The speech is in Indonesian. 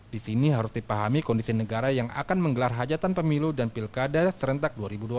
di sini harus dipahami kondisi negara yang akan menggelar hajatan pemilu dan pilkada serentak dua ribu dua puluh